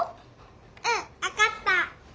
うん分かった。